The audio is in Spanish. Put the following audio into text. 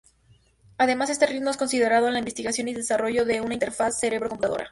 Además, este ritmo es considerado en la investigación y desarrollo de una interfaz cerebro-computadora.